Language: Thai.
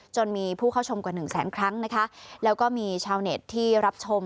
จนมีผู้เข้าชมกว่าหนึ่งแสนครั้งนะคะแล้วก็มีชาวเน็ตที่รับชม